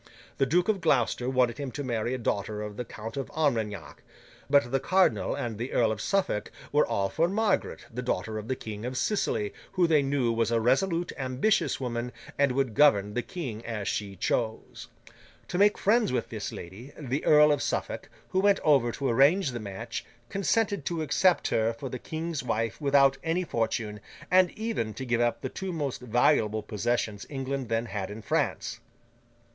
The Duke of Gloucester wanted him to marry a daughter of the Count of Armagnac; but, the Cardinal and the Earl of Suffolk were all for Margaret, the daughter of the King of Sicily, who they knew was a resolute, ambitious woman and would govern the King as she chose. To make friends with this lady, the Earl of Suffolk, who went over to arrange the match, consented to accept her for the King's wife without any fortune, and even to give up the two most valuable possessions England then had in France.